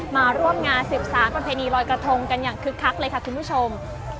มาร่วมงานสืบสารประเพณีลอยกระทงกันอย่างคึกคักเลยค่ะคุณผู้ชม